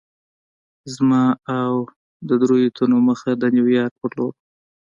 زما او د دریو تنو مخه د ډنمارک په لور وه.